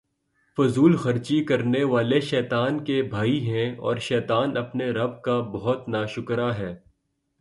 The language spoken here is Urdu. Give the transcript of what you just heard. فضول خرچی کرنے والے شیطان کے بھائی ہیں، اور شیطان اپنے رب کا بہت ناشکرا ہے